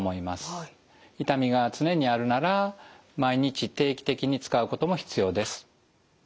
痛みが常にあるなら毎日定期的に使うことも必要です。